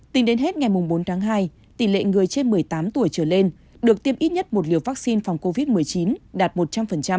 tính đến hết ngày bốn tháng hai tỷ lệ người trên một mươi tám tuổi trở lên được tiêm ít nhất một liều vaccine phòng covid một mươi chín đạt một trăm linh